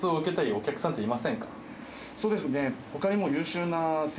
そうですね。